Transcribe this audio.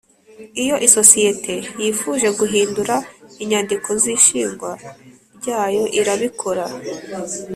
Iyo isosiyete yifuje guhindura inyandiko z’ishingwa ryayo irabikora